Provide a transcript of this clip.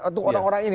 untuk orang orang ini